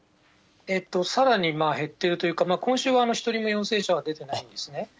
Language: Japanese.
さらに減っているというか、今週は１人も陽性者は出てないんですね。